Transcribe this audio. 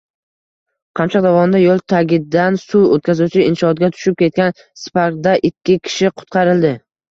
Qamchiq dovonida yo‘l tagidan suv o‘tkazuvchi inshootga tushib ketgan Spark’danikkikishi qutqarildi